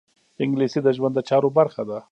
انګلیسي د ژوند د چارو برخه ده